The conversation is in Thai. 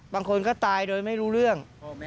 บางคนก็ตายโดยไม่รู้เรื่อง